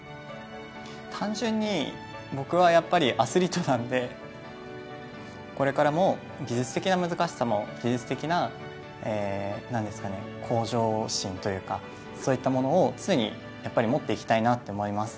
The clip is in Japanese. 単純に僕はやっぱりアスリートなんでこれからも技術的な難しさも技術的な向上心というかそういったものを常に持っていきたいなって思います。